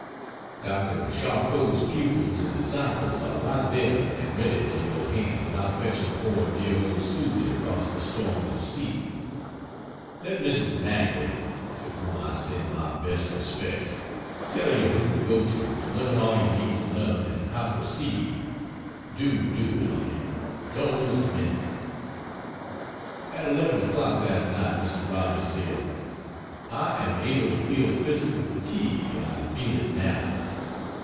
Dr. Charcot's pupils and disciples are right there and ready to your hand without fetching poor dear old Susy across the stormy sea. Let Mrs. Mackay (to whom I send my best respects), tell you whom to go to to learn all you need to learn and how to proceed. Do, do it, honey. Don't lose a minute. .... At 11 o'clock last night Mr. Rogers said: "I am able to feel physical fatigue and I feel it now.